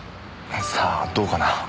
さあどうかな？